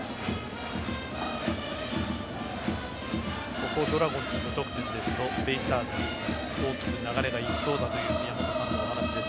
ここでドラゴンズ、無得点ですとベイスターズに大きく流れがいきそうだという宮本さんのお話です